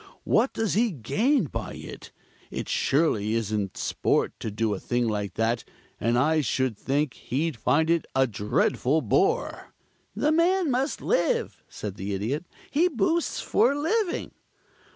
What does he gain by it? It surely isn't sport to do a thing like that, and I should think he'd find it a dreadful bore." "The man must live," said the Idiot. "He boosts for a living."